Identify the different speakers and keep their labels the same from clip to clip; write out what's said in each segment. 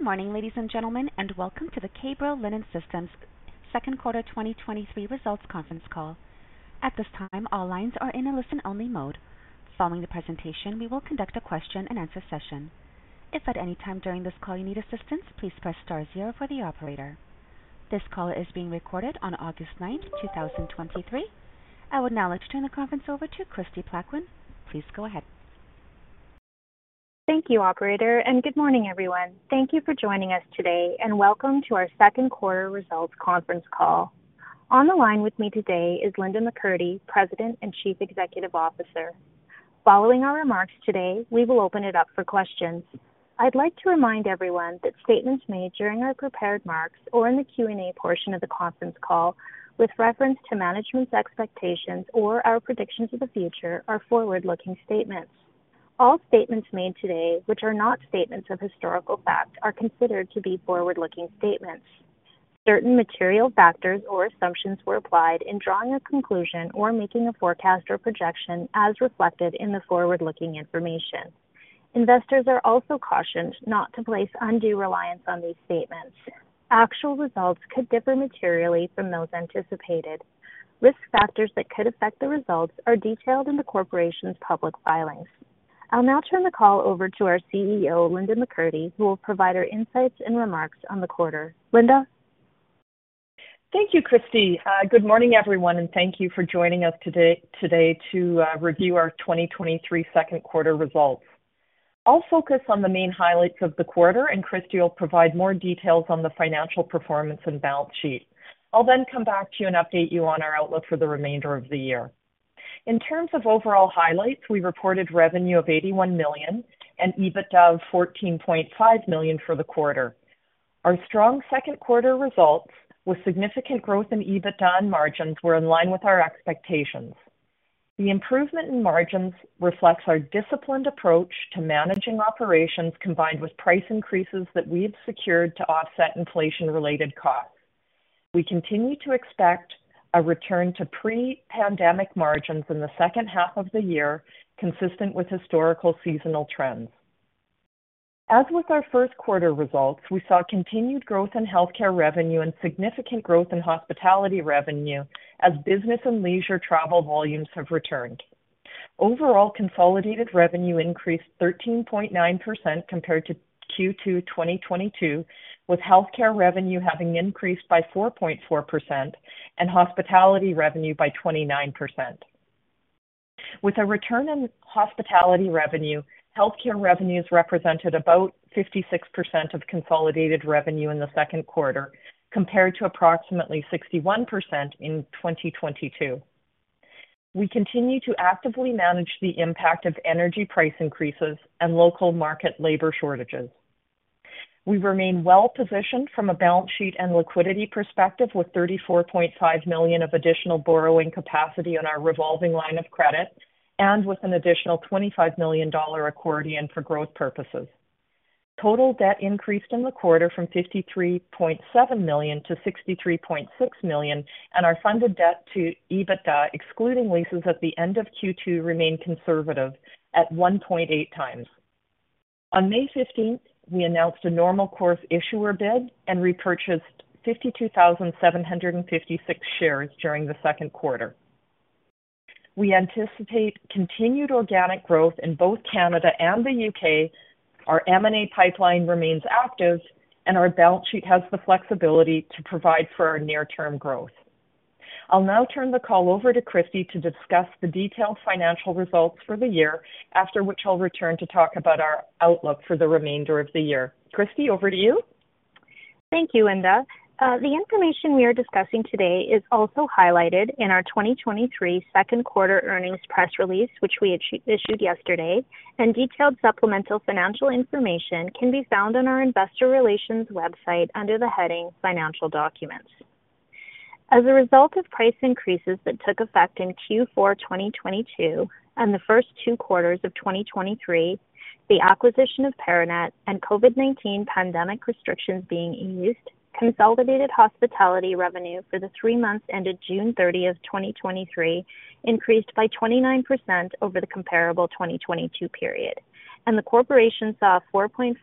Speaker 1: Good morning, ladies and gentlemen, and welcome to the K-Bro Linen Systems second quarter 2023 results conference call. At this time, all lines are in a listen-only mode. Following the presentation, we will conduct a question-and-answer session. If at any time during this call you need assistance, please press star zero for the operator. This call is being recorded on August 9, 2023. I would now like to turn the conference over to Kristie Plaquin. Please go ahead.
Speaker 2: Thank you, operator, and good morning, everyone. Thank you for joining us today, and welcome to our second quarter results conference call. On the line with me today is Linda McCurdy, President and Chief Executive Officer. Following our remarks today, we will open it up for questions. I'd like to remind everyone that statements made during our prepared remarks or in the Q and A portion of the conference call with reference to management's expectations or our predictions of the future are forward-looking statements. All statements made today, which are not statements of historical fact, are considered to be forward-looking statements. Certain material factors or assumptions were applied in drawing a conclusion or making a forecast or projection, as reflected in the forward-looking information. Investors are also cautioned not to place undue reliance on these statements. Actual results could differ materially from those anticipated. Risk factors that could affect the results are detailed in the corporation's public filings. I'll now turn the call over to our CEO, Linda McCurdy, who will provide her insights and remarks on the quarter. Linda?
Speaker 3: Thank you, Kristie. Good morning, everyone, and thank you for joining us today to review our 2023 second quarter results. I'll focus on the main highlights of the quarter, and Kristie will provide more details on the financial performance and balance sheet. I'll then come back to you and update you on our outlook for the remainder of the year. In terms of overall highlights, we reported revenue of 81 million and EBITDA of 14.5 million for the quarter. Our strong second quarter results, with significant growth in EBITDA and margins, were in line with our expectations. The improvement in margins reflects our disciplined approach to managing operations, combined with price increases that we've secured to offset inflation-related costs. We continue to expect a return to pre-pandemic margins in the second half of the year, consistent with historical seasonal trends. As with our first quarter results, we saw continued growth in healthcare revenue and significant growth in hospitality revenue as business and leisure travel volumes have returned. Overall, consolidated revenue increased 13.9% compared to Q2 2022, with healthcare revenue having increased by 4.4% and hospitality revenue by 29%. With a return in hospitality revenue, healthcare revenues represented about 56% of consolidated revenue in the second quarter, compared to approximately 61% in 2022. We continue to actively manage the impact of energy price increases and local market labor shortages. We remain well-positioned from a balance sheet and liquidity perspective, with 34.5 million of additional borrowing capacity on our revolving line of credit and with an additional 25 million dollar accordion for growth purposes. Total debt increased in the quarter from 53.7 million to 63.6 million, and our Funded Debt to EBITDA, excluding leases at the end of Q2, remained conservative at 1.8x. On May 15th, we announced a normal course issuer bid and repurchased 52,756 shares during the second quarter. We anticipate continued organic growth in both Canada and the U.K., our M&A pipeline remains active, and our balance sheet has the flexibility to provide for our near-term growth. I'll now turn the call over to Kristie to discuss the detailed financial results for the year, after which I'll return to talk about our outlook for the remainder of the year. Kristie, over to you.
Speaker 2: Thank you, Linda. The information we are discussing today is also highlighted in our 2023 second quarter earnings press release, which we issued yesterday, and detailed supplemental financial information can be found on our investor relations website under the heading Financial Documents. As a result of price increases that took effect in Q4 2022 and the first two quarters of 2023, the acquisition of Paranet and COVID-19 pandemic restrictions being eased, consolidated hospitality revenue for the three months ended June 30th, 2023, increased by 29% over the comparable 2022 period, and the corporation saw a 4.4%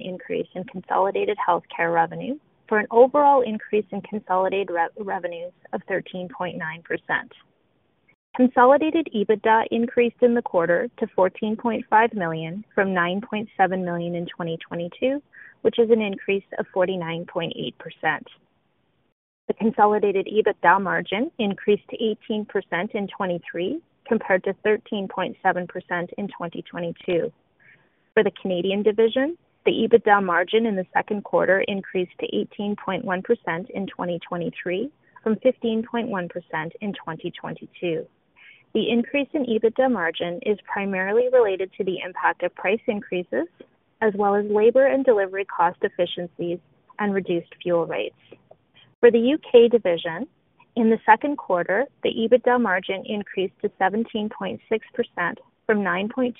Speaker 2: increase in consolidated healthcare revenue for an overall increase in consolidated revenues of 13.9%. Consolidated EBITDA increased in the quarter to 14.5 million from 9.7 million in 2022, which is an increase of 49.8%. The consolidated EBITDA margin increased to 18% in 2023, compared to 13.7% in 2022. For the Canadian division, the EBITDA margin in the second quarter increased to 18.1% in 2023 from 15.1% in 2022. The increase in EBITDA margin is primarily related to the impact of price increases, as well as labor and delivery cost efficiencies and reduced fuel rates. For the U.K. division, in the second quarter, the EBITDA margin increased to 17.6% from 9.2%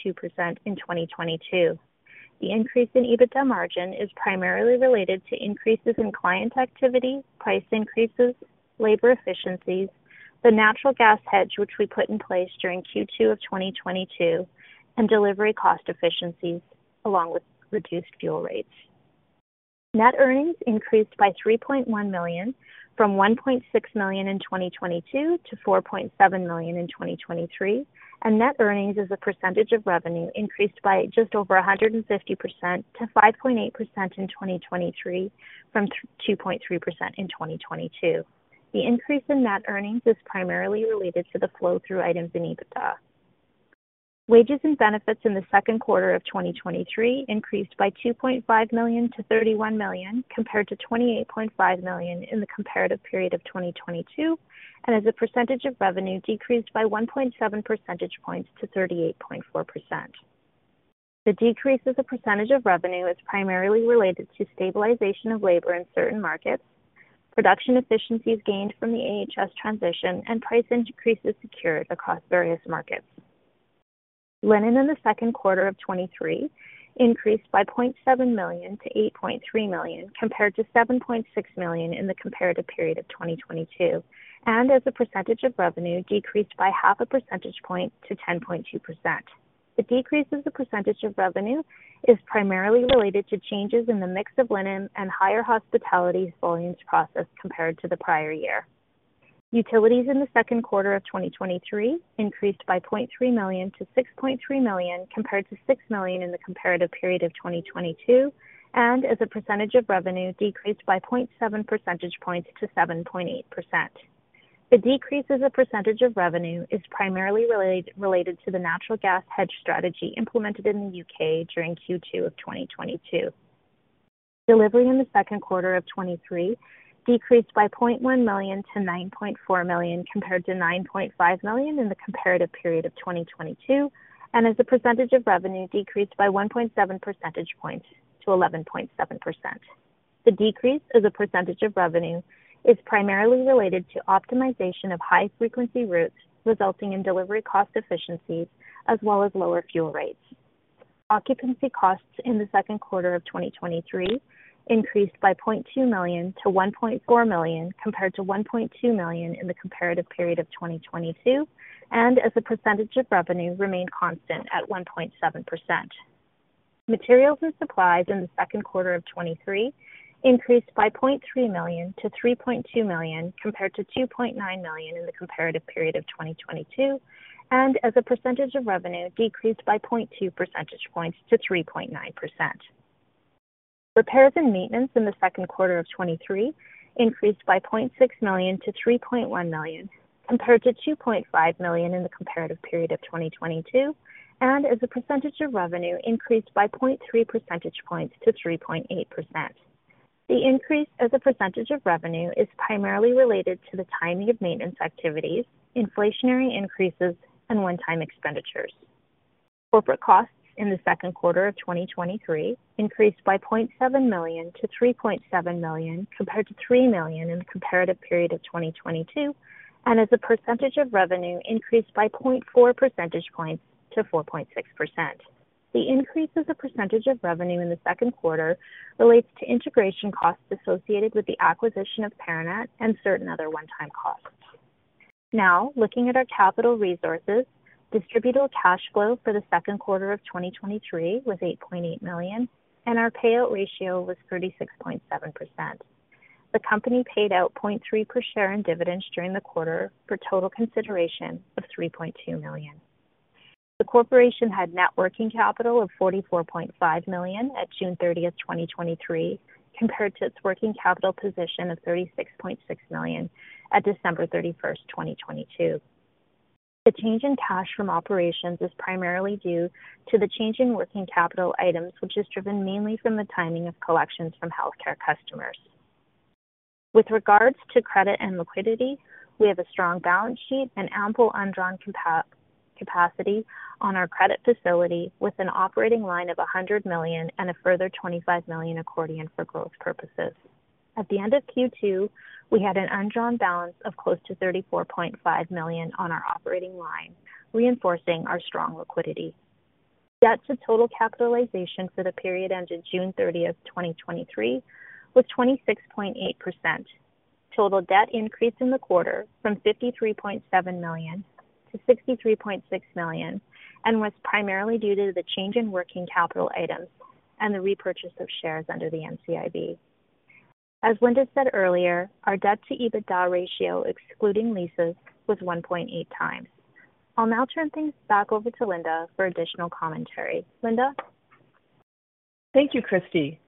Speaker 2: in 2022. The increase in EBITDA margin is primarily related to increases in client activity, price increases, labor efficiencies-... The natural gas hedge, which we put in place during Q2 of 2022, and delivery cost efficiencies, along with reduced fuel rates. Net earnings increased by 3.1 million, from 1.6 million in 2022 to 4.7 million in 2023, and net earnings as a percentage of revenue increased by just over 150% to 5.8% in 2023, from 2.3% in 2022. The increase in net earnings is primarily related to the flow-through items in EBITDA. Wages and benefits in the second quarter of 2023 increased by 2.5 million to 31 million, compared to 28.5 million in the comparative period of 2022, and as a percentage of revenue, decreased by 1.7 percentage points to 38.4%. The decrease as a percentage of revenue is primarily related to stabilization of labor in certain markets, production efficiencies gained from the AHS transition, and price increases secured across various markets. Linen in the second quarter of 2023 increased by 0.7 million to 8.3 million, compared to 7.6 million in the comparative period of 2022, and as a percentage of revenue, decreased by 0.5 percentage point to 10.2%. The decrease as a percentage of revenue is primarily related to changes in the mix of linen and higher hospitality volumes processed compared to the prior year. Utilities in the second quarter 2023 increased by 0.3 million to 6.3 million, compared to 6 million in the comparative period of 2022. As a percentage of revenue, decreased by 0.7 percentage points to 7.8%. The decrease as a percentage of revenue is primarily related to the natural gas hedge strategy implemented in the U.K. during Q2 2022. Delivery in thesecond quarter 2023 decreased by 0.1 million to 9.4 million, compared to 9.5 million in the comparative period of 2022. As a percentage of revenue, decreased by 1.7 percentage points to 11.7%. The decrease as a percentage of revenue is primarily related to optimization of high-frequency routes, resulting in delivery cost efficiencies as well as lower fuel rates. Occupancy costs in the second quarter of 2023 increased by 0.2 million to 1.4 million, compared to 1.2 million in the comparative period of 2022, and as a percentage of revenue, remained constant at 1.7%. Materials and supplies in the second quarter of 2023 increased by 0.3 million to 3.2 million, compared to 2.9 million in the comparative period of 2022, and as a percentage of revenue, decreased by 0.2 percentage points to 3.9%. Repairs and maintenance in the second quarter of 2023 increased by 0.6 million to 3.1 million, compared to 2.5 million in the comparative period of 2022, and as a percentage of revenue, increased by 0.3 percentage points to 3.8%. The increase as a percentage of revenue is primarily related to the timing of maintenance activities, inflationary increases, and one-time expenditures. Corporate costs in the second quarter of 2023 increased by 0.7 million to 3.7 million, compared to 3 million in the comparative period of 2022, and as a percentage of revenue, increased by 0.4 percentage points to 4.6%. The increase as a percentage of revenue in the second quarter relates to integration costs associated with the acquisition of Paranet and certain other one-time costs. Looking at our capital resources, distributable cash flow for the second quarter of 2023 was 8.8 million, and our payout ratio was 36.7%. The company paid out 0.3 per share in dividends during the quarter, for total consideration of 3.2 million. The corporation had net working capital of 44.5 million at June 30, 2023, compared to its working capital position of 36.6 million at December 31, 2022. The change in cash from operations is primarily due to the change in working capital items, which is driven mainly from the timing of collections from healthcare customers. With regards to credit and liquidity, we have a strong balance sheet and ample undrawn capacity on our credit facility, with an operating line of 100 million and a further 25 million accordion for growth purposes. At the end of Q2, we had an undrawn balance of close to 34.5 million on our operating line, reinforcing our strong liquidity. Debt to total capitalization for the period ended June 30, 2023, was 26.8%. Total debt increased in the quarter from $53.7 million to $63.6 million, was primarily due to the change in working capital items and the repurchase of shares under the NCIB. As Linda said earlier, our debt to EBITDA ratio, excluding leases, was 1.8x. I'll now turn things back over to Linda for additional commentary. Linda?
Speaker 3: Thank you, Kristie.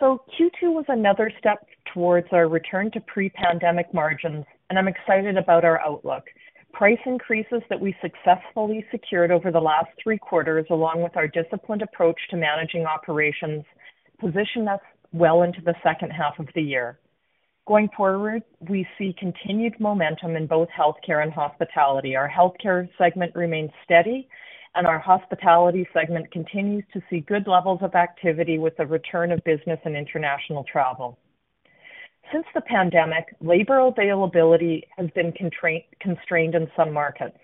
Speaker 3: Q2 was another step towards our return to pre-pandemic margins, and I'm excited about our outlook. Price increases that we successfully secured over the last three quarters, along with our disciplined approach to managing operations, position us well into the second half of the year. Going forward, we see continued momentum in both healthcare and hospitality. Our healthcare segment remains steady, and our hospitality segment continues to see good levels of activity with the return of business and international travel. Since the pandemic, labor availability has been constrained in some markets.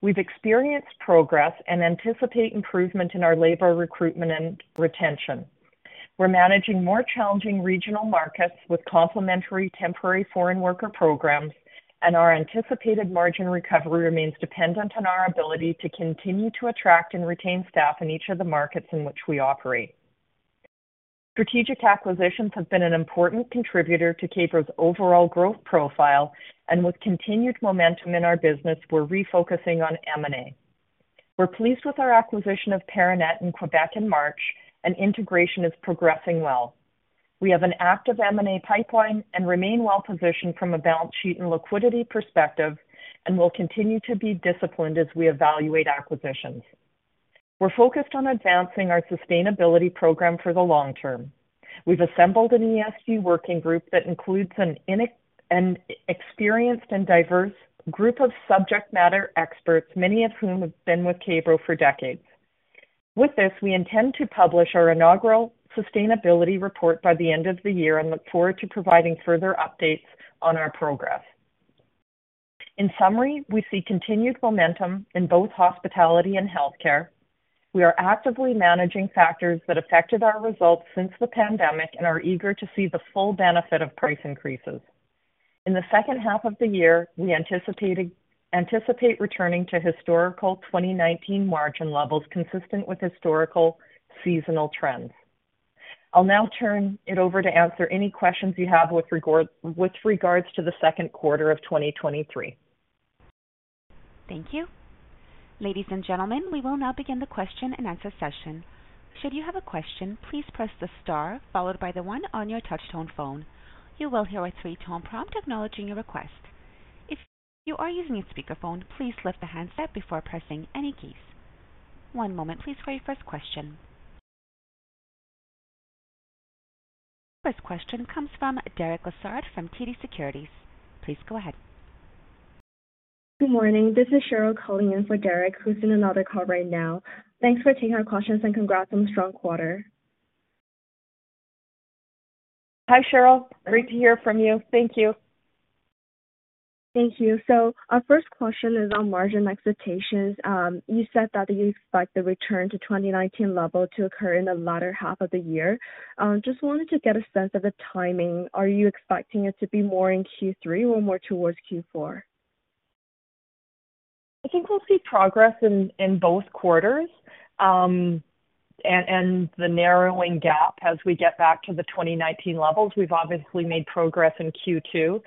Speaker 3: We've experienced progress and anticipate improvement in our labor recruitment and retention. We're managing more challenging regional markets with complementary Temporary Foreign Worker Programs, and our anticipated margin recovery remains dependent on our ability to continue to attract and retain staff in each of the markets in which we operate. Strategic acquisitions have been an important contributor to K-Bro's overall growth profile, and with continued momentum in our business, we're refocusing on M&A. We're pleased with our acquisition of Paranet in Quebec in March, and integration is progressing well. We have an active M&A pipeline and remain well-positioned from a balance sheet and liquidity perspective, and we'll continue to be disciplined as we evaluate acquisitions. We're focused on advancing our sustainability program for the long term. We've assembled an ESG working group that includes an experienced and diverse group of subject matter experts, many of whom have been with K-Bro for decades. With this, we intend to publish our inaugural sustainability report by the end of the year and look forward to providing further updates on our progress. In summary, we see continued momentum in both hospitality and healthcare. We are actively managing factors that affected our results since the pandemic and are eager to see the full benefit of price increases. In the second half of the year, we anticipate returning to historical 2019 margin levels, consistent with historical seasonal trends. I'll now turn it over to answer any questions you have with regards to the second quarter of 2023.
Speaker 1: Thank you. Ladies and gentlemen, we will now begin the question-and-answer session. Should you have a question, please press the star followed by the one on your touchtone phone. You will hear a three-tone prompt acknowledging your request. If you are using a speakerphone, please lift the handset before pressing any keys. One moment, please, for your first question. First question comes from Derek Lessard, from TD Securities. Please go ahead.
Speaker 4: Good morning. This is Cheryl calling in for Derek, who's in another call right now. Thanks for taking our questions, and congrats on a strong quarter.
Speaker 3: Hi, Cheryl. Great to hear from you. Thank you.
Speaker 4: Thank you. Our first question is on margin expectations. You said that you expect the return to 2019 level to occur in the latter half of the year. Just wanted to get a sense of the timing. Are you expecting it to be more in Q3 or more towards Q4?
Speaker 3: I think we'll see progress in, in both quarters, and the narrowing gap as we get back to the 2019 levels. We've obviously made progress in Q2.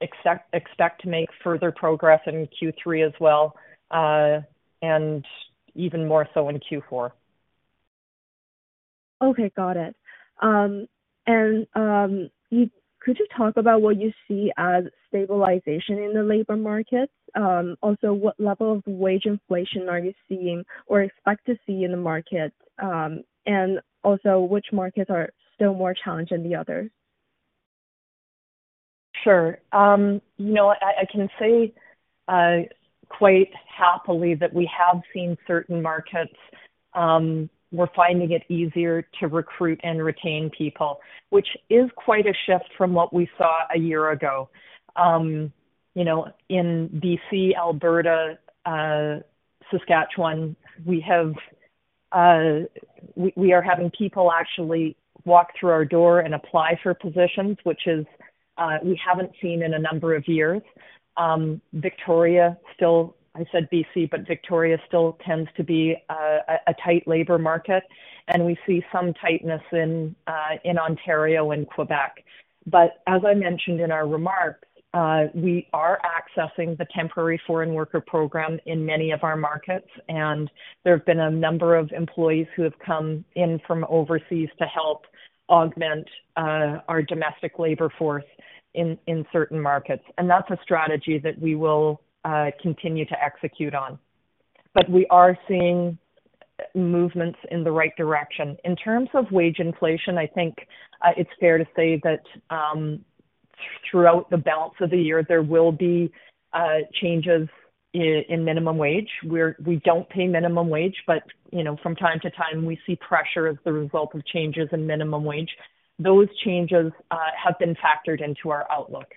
Speaker 3: Expect to make further progress in Q3 as well, and even more so in Q4.
Speaker 4: Okay, got it. Could you talk about what you see as stabilization in the labor markets? Also, what level of wage inflation are you seeing or expect to see in the market? Which markets are still more challenged than the others?
Speaker 3: Sure. you know, I, I can say, quite happily that we have seen certain markets, we're finding it easier to recruit and retain people, which is quite a shift from what we saw a year ago. you know, in BC, Alberta, Saskatchewan, we have, we, we are having people actually walk through our door and apply for positions, which is, we haven't seen in a number of years. Victoria still, I said BC, but Victoria still tends to be, a, a tight labor market, and we see some tightness in, in Ontario and Quebec. As I mentioned in our remarks, we are accessing the Temporary Foreign Worker Program in many of our markets, and there have been a number of employees who have come in from overseas to help augment our domestic labor force in certain markets. That's a strategy that we will continue to execute on. We are seeing movements in the right direction. In terms of wage inflation, I think it's fair to say that throughout the balance of the year, there will be changes in minimum wage, where we don't pay minimum wage, but you know, from time to time, we see pressure as the result of changes in minimum wage. Those changes have been factored into our outlook.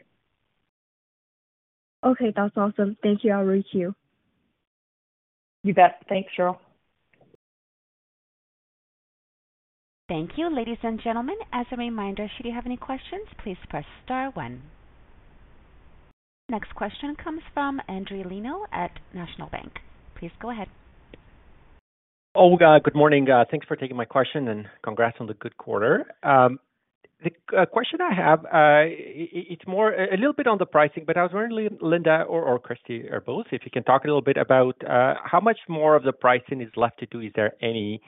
Speaker 4: Okay, that's awesome. Thank you. I'll reach you.
Speaker 3: You bet. Thanks, Cheryl.
Speaker 1: Thank you. Ladies and gentlemen, as a reminder, should you have any questions, please press star one. Next question comes from Endri Leno at National Bank. Please go ahead.
Speaker 5: Good morning. Thanks for taking my question. Congrats on the good quarter. The question I have, it's more a little bit on the pricing. I was wondering, Linda or Kristie, or both, if you can talk a little bit about how much more of the pricing is left to do. Is there any?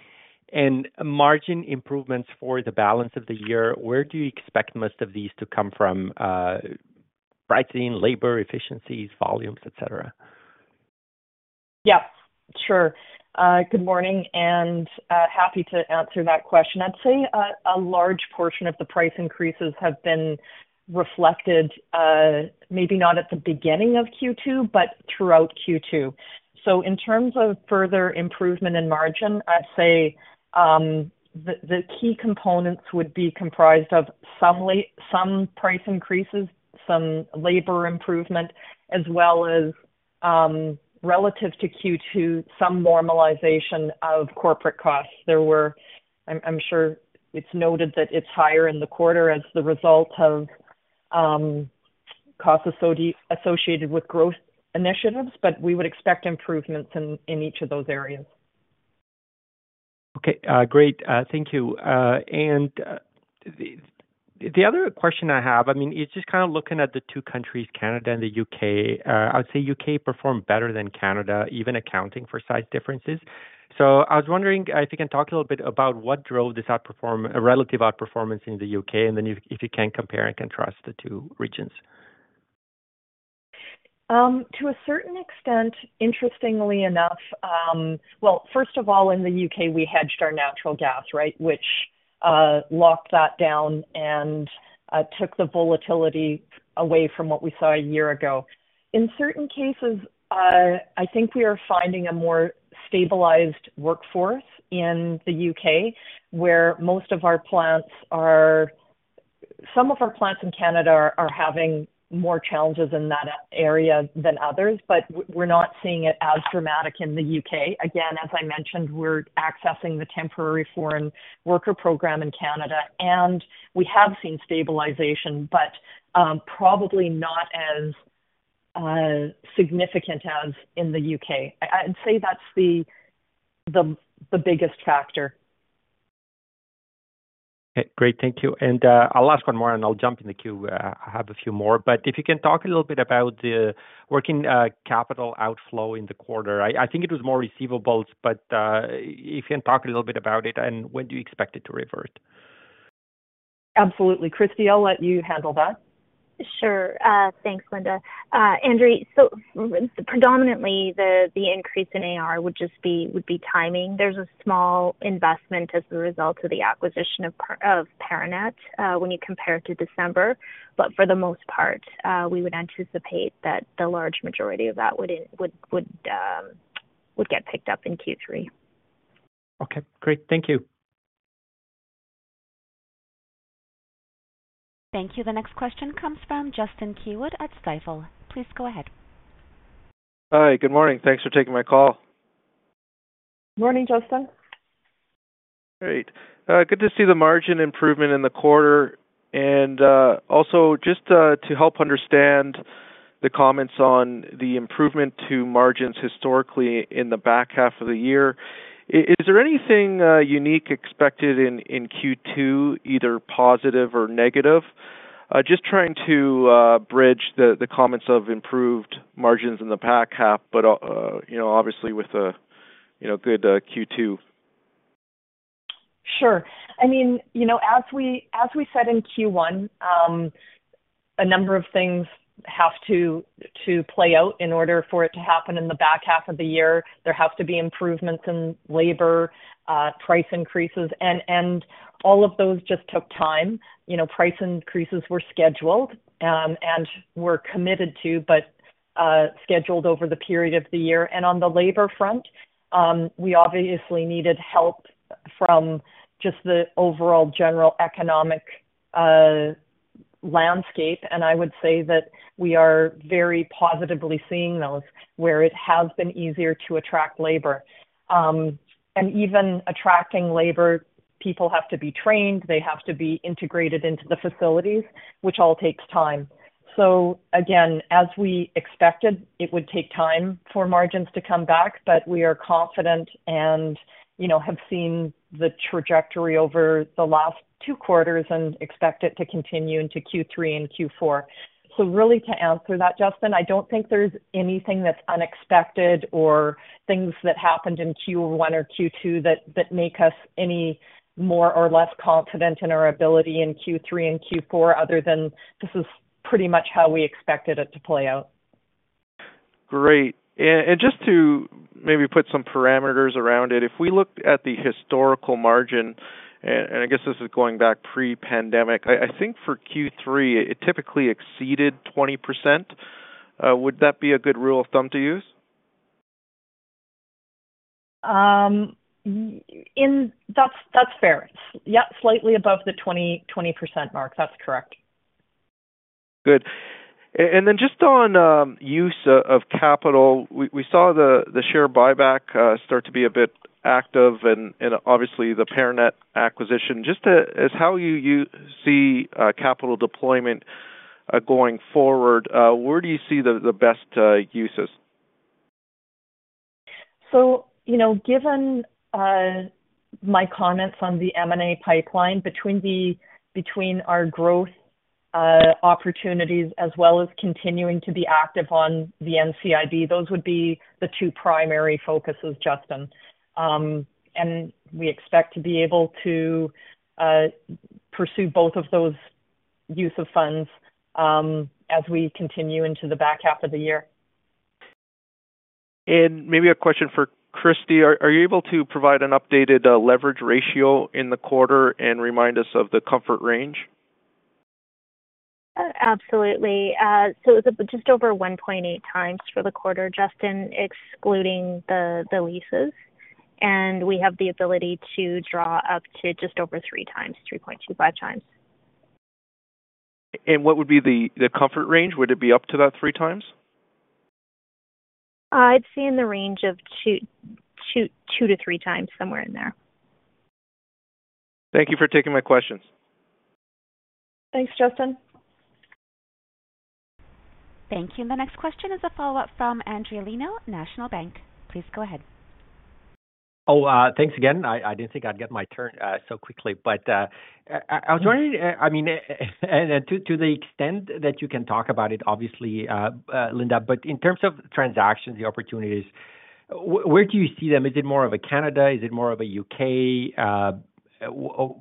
Speaker 5: Margin improvements for the balance of the year, where do you expect most of these to come from? Pricing, labor, efficiencies, volumes, et cetera.
Speaker 3: Yeah, sure. Good morning, and happy to answer that question. I'd say a large portion of the price increases have been reflected, maybe not at the beginning of Q2, but throughout Q2. In terms of further improvement in margin, I'd say the, the key components would be comprised of some some price increases, some labor improvement, as well as, relative to Q2, some normalization of corporate costs. There were, I'm sure it's noted that it's higher in the quarter as the result of costs associated with growth initiatives, but we would expect improvements in, in each of those areas.
Speaker 5: Okay. Great. Thank you. The, the other question I have, I mean, it's just kind of looking at the two countries, Canada and the U.K.. I would say U.K. performed better than Canada, even accounting for size differences. I was wondering if you can talk a little bit about what drove this outperformance, relative outperformance in the U.K., and then if, if you can compare and contrast the two regions.
Speaker 3: To a certain extent, interestingly enough. Well, first of all, in the U.K., we hedged our natural gas, right? Which locked that down and took the volatility away from what we saw a year ago. In certain cases, I think we are finding a more stabilized workforce in the U.K., where most of our plants are. Some of our plants in Canada are having more challenges in that area than others. We're not seeing it as dramatic in the U.K.. Again, as I mentioned, we're accessing the Temporary Foreign Worker Program in Canada. We have seen stabilization, but probably not as significant as in the U.K.. I'd say that's the biggest factor.
Speaker 5: Okay, great. Thank you. I'll ask one more, and I'll jump in the queue. I have a few more, but if you can talk a little bit about the working capital outflow in the quarter. I, I think it was more receivables, but if you can talk a little bit about it and when do you expect it to revert?
Speaker 3: Absolutely. Kristie, I'll let you handle that.
Speaker 2: Sure. Thanks, Linda. Andrew, predominantly, the, the increase in AR would just be, would be timing. There's a small investment as a result of the acquisition of Paranet, when you compare to December, for the most part, we would anticipate that the large majority of that would, would, would, would get picked up in Q3.
Speaker 5: Okay, great. Thank you.
Speaker 1: Thank you. The next question comes from Justin Keywood at Stifel. Please go ahead.
Speaker 6: Hi, good morning. Thanks for taking my call.
Speaker 3: Morning, Justin.
Speaker 6: Great. good to see the margin improvement in the quarter. Also just, to help understand the comments on the improvement to margins historically in the back half of the year, is there anything unique expected in Q2, either positive or negative? Just trying to bridge the comments of improved margins in the back half, but, you know, obviously with a, you know, good Q2.
Speaker 3: Sure. I mean, you know, as we, as we said in Q1, a number of things have to, to play out in order for it to happen in the back half of the year. There have to be improvements in labor, price increases, and, and all of those just took time. You know, price increases were scheduled, and were committed to, but scheduled over the period of the year. On the labor front, we obviously needed help from just the overall general economic landscape, and I would say that we are very positively seeing those where it has been easier to attract labor. Even attracting labor, people have to be trained, they have to be integrated into the facilities, which all takes time. Again, as we expected, it would take time for margins to come back, but we are confident and, you know, have seen the trajectory over the last two quarters and expect it to continue into Q3 and Q4. Really, to answer that, Justin, I don't think there's anything that's unexpected or things that happened in Q1 or Q2 that, that make us any more or less confident in our ability in Q3 and Q4, other than this is pretty much how we expected it to play out.
Speaker 6: Great. Just to maybe put some parameters around it, if we look at the historical margin, and, and I guess this is going back pre-pandemic, I, I think for Q3, it typically exceeded 20%. Would that be a good rule of thumb to use?
Speaker 3: That's, that's fair. Yeah, slightly above the 20% mark. That's correct.
Speaker 6: Good. Then just on, use of capital, we saw the share buyback start to be a bit active and obviously the Paranet acquisition. Just as how you see capital deployment going forward, where do you see the best uses?
Speaker 3: You know, given my comments on the M&A pipeline between our growth opportunities, as well as continuing to be active on the NCIB, those would be the two primary focuses, Justin. We expect to be able to pursue both of those use of funds as we continue into the back half of the year.
Speaker 6: Maybe a question for Kristie: are you able to provide an updated leverage ratio in the quarter and remind us of the comfort range?
Speaker 2: Absolutely. It's just over 1.8x for the quarter, Justin, excluding the leases, and we have the ability to draw up to just over 3x, 3.25x....
Speaker 6: What would be the, the comfort range? Would it be up to that 3x?
Speaker 2: I'd say in the range of 2x to 3x, somewhere in there.
Speaker 6: Thank you for taking my questions.
Speaker 3: Thanks, Justin.
Speaker 1: Thank you. The next question is a follow-up from Endri Leno, National Bank. Please go ahead.
Speaker 5: Thanks again. I, I didn't think I'd get my turn so quickly, but I, I was wondering, I, I mean, and to, to the extent that you can talk about it, obviously, Linda, but in terms of transactions, the opportunities, where do you see them? Is it more of a Canada? Is it more of a U.K.? What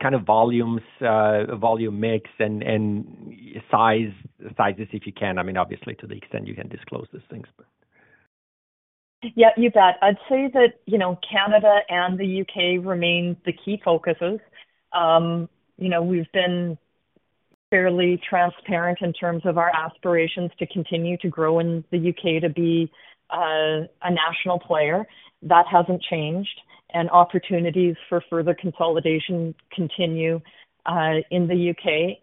Speaker 5: kind of volumes, volume mix and, and size, sizes, if you can? I mean, obviously, to the extent you can disclose those things, but.
Speaker 3: Yeah, you bet. I'd say that, you know, Canada and the U.K. remain the key focuses. You know, we've been fairly transparent in terms of our aspirations to continue to grow in the U.K., to be a national player. That hasn't changed, and opportunities for further consolidation continue in the U.K.,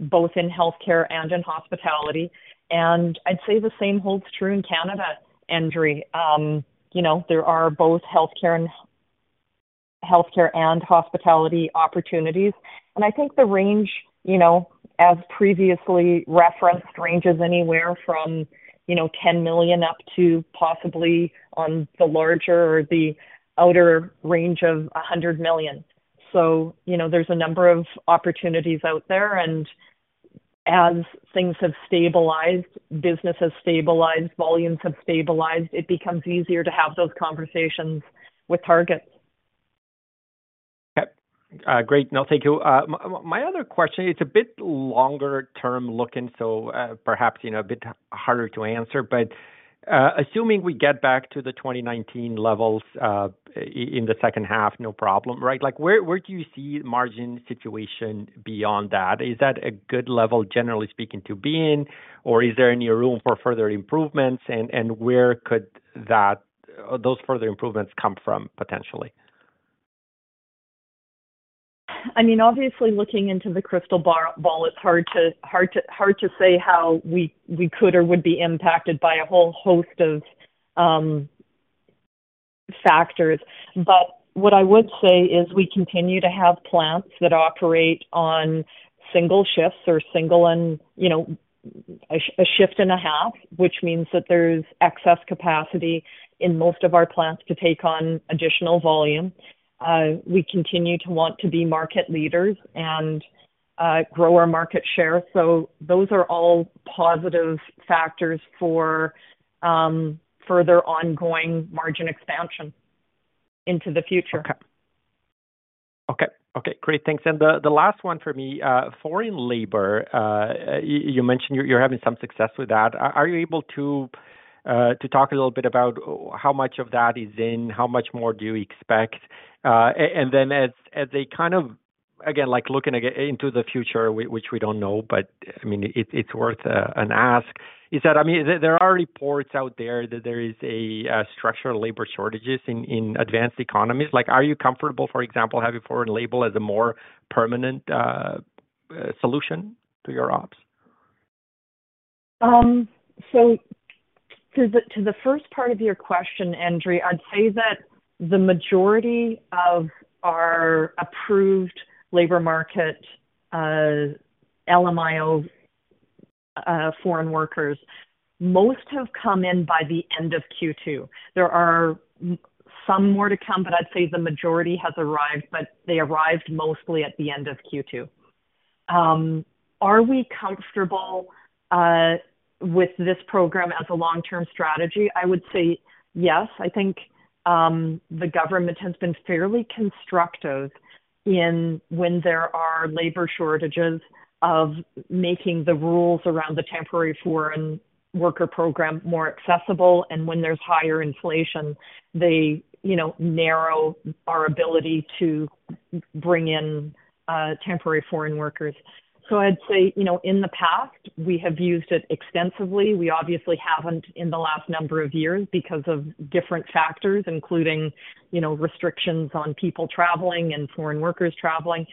Speaker 3: both in healthcare and in hospitality, and I'd say the same holds true in Canada, Andrea. You know, there are both healthcare and, healthcare and hospitality opportunities, and I think the range, you know, as previously referenced, ranges anywhere from, you know, 10 million up to possibly on the larger or the outer range of 100 million. You know, there's a number of opportunities out there, and as things have stabilized, business has stabilized, volumes have stabilized, it becomes easier to have those conversations with targets.
Speaker 5: Yep. Great. No, thank you. My other question, it's a bit longer term looking, so, perhaps, you know, a bit harder to answer. Assuming we get back to the 2019 levels, in the second half, no problem, right? Like, where, where do you see the margin situation beyond that? Is that a good level, generally speaking, to be in, or is there any room for further improvements, and, and where could that, those further improvements come from, potentially?
Speaker 3: I mean, obviously, looking into the crystal ball, it's hard to say how we could or would be impacted by a whole host of factors. What I would say is we continue to have plants that operate on single shifts or single and, you know, a shift and a half, which means that there's excess capacity in most of our plants to take on additional volume. We continue to want to be market leaders and grow our market share, those are all positive factors for further ongoing margin expansion into the future.
Speaker 5: Okay. Okay, great, thanks. The last one for me, foreign labor, you mentioned you're having some success with that. Are you able to talk a little bit about how much of that is in, how much more do you expect? As, as a kind of... Again, like, looking into the future, which we don't know, but, I mean, it, it's worth an ask, is that, I mean, there, there are reports out there that there is a structural labor shortages in, in advanced economies. Like, are you comfortable, for example, having foreign labor as a more permanent solution to your ops?
Speaker 3: To the, to the first part of your question, Endri, I'd say that the majority of our approved labor market, LMIA, foreign workers, most have come in by the end of Q2. There are some more to come, but I'd say the majority has arrived, but they arrived mostly at the end of Q2. Are we comfortable with this program as a long-term strategy? I would say yes. I think the government has been fairly constructive in when there are labor shortages, of making the rules around the Temporary Foreign Worker Program more accessible, and when there's higher inflation, they, you know, narrow our ability to bring in, temporary foreign workers. I'd say, you know, in the past, we have used it extensively. We obviously haven't in the last number of years because of different factors, including, you know, restrictions on people traveling and foreign workers traveling.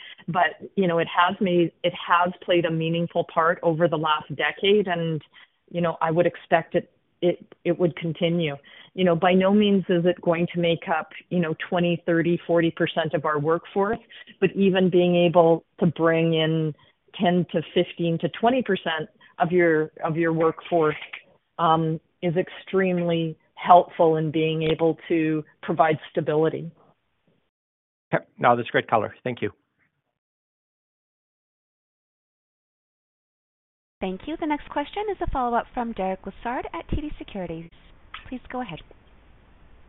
Speaker 3: You know, it has played a meaningful part over the last decade, and, you know, I would expect it, it, it would continue. You know, by no means is it going to make up, you know, 20%, 30%, 40% of our workforce, but even being able to bring in 10%-15%-20% of your, of your workforce, is extremely helpful in being able to provide stability.
Speaker 5: Okay. No, that's great color. Thank you.
Speaker 1: Thank you. The next question is a follow-up from Derek Lessard at TD Securities. Please go ahead.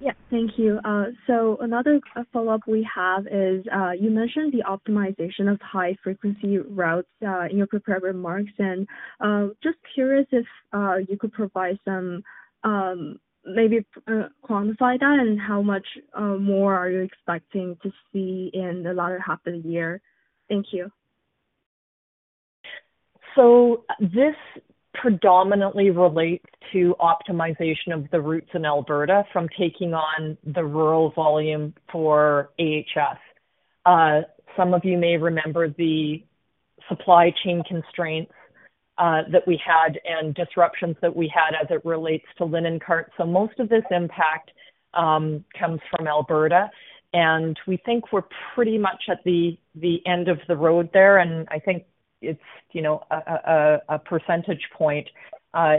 Speaker 4: Yeah, thank you. Another follow-up we have is, you mentioned the optimization of high-frequency routes in your prepared remarks, and just curious if you could provide some, maybe, quantify that and how much more are you expecting to see in the latter half of the year? Thank you.
Speaker 3: This predominantly relates to optimization of the routes in Alberta from taking on the rural volume for AHS. Some of you may remember the supply chain constraints that we had and disruptions that we had as it relates to linen cart. Most of this impact comes from Alberta, and we think we're pretty much at the, the end of the road there, and I think it's, you know, a, a, percentage point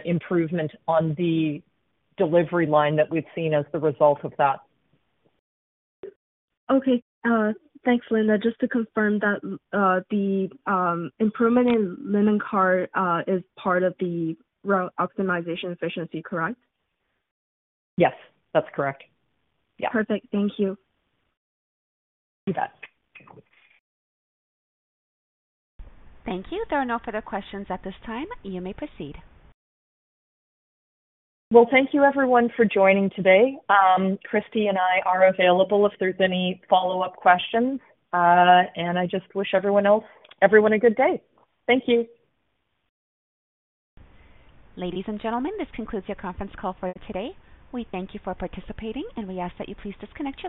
Speaker 3: improvement on the delivery line that we've seen as the result of that.
Speaker 4: Okay. Thanks, Linda. Just to confirm that the improvement in linen cart is part of the route optimization efficiency, correct?
Speaker 3: Yes, that's correct. Yeah.
Speaker 4: Perfect. Thank you.
Speaker 3: You bet.
Speaker 1: Thank you. There are no further questions at this time. You may proceed.
Speaker 3: Well, thank you everyone for joining today. Kristie and I are available if there's any follow-up questions, I just wish everyone else, everyone a good day. Thank you.
Speaker 1: Ladies and gentlemen, this concludes your conference call for today. We thank you for participating, and we ask that you please disconnect your lines.